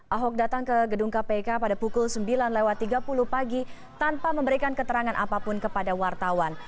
ahok datang ke gedung kpk pada pukul sembilan tiga puluh pagi tanpa memberikan keterangan apapun kepada wartawan